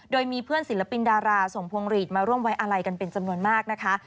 โดยมีเพื่อนศิลปินดาราส่งพวงหลีดมาร่วมไว้อาลัยกันเป็นจำนวนมากนะคะ